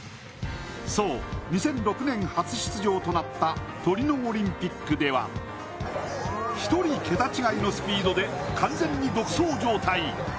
そう、２００６年、初出場となったトリノオリンピックでは一人、桁違いのスピードで完全に独走状態。